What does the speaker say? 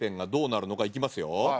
いきますよ。